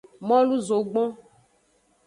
Molu zogbon.